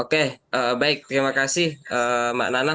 oke baik terima kasih mbak nana